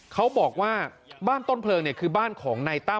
เขาบอกว่าบ้านต้นเพลิงคือบ้านของนายตั้ม